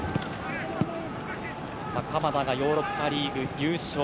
鎌田がヨーロッパリーグ優勝。